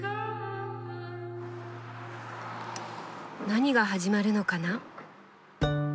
何が始まるのかな？